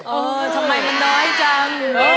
เออทำไมมันน้อยจัง